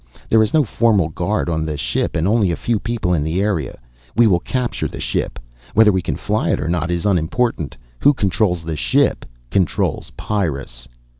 There is no formal guard on the ship and only a few people in the area. We will capture the ship. Whether we can fly it or not is unimportant. Who controls the ship controls Pyrrus.